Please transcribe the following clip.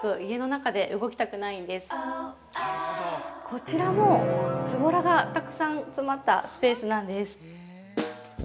◆こちらも、ずぼらがたくさん詰まったスペースなんです。